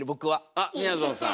あっみやぞんさん。